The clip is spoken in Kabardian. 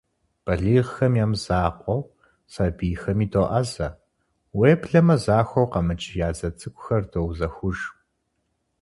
Балигъхэм я мызакъуэу, сабийхэми доӀэзэ, уеблэмэ захуэу къэмыкӀ я дзэ цӀыкӀухэр доузэхуж.